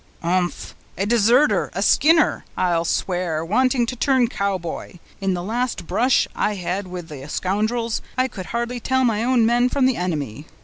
"Umph! a deserter—a Skinner, I'll swear, wanting to turn Cowboy! In the last brush I had with the scoundrels, I could hardly tell my own men from the enemy.